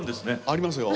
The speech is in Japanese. ありますよ。